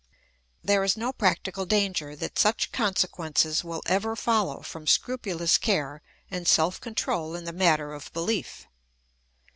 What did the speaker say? There is no practical danger that such consequences will ever follow from scrupulous care and self control in the matter of belief.